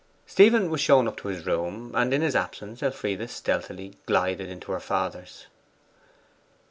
Stephen was shown up to his room. In his absence Elfride stealthily glided into her father's.